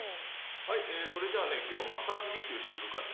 それじゃあね今日はマッサージ実習していくからね。